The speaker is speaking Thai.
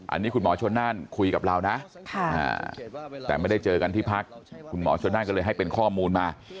อันนี้คุณหมอชนนั่นคุยกับเรานะแต่ไม่ได้เจอกันที่พักคุณหมอชนนั่นก็เลยให้เป็นข้อมูลมา